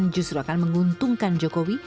justru akan menguntungkan jokowi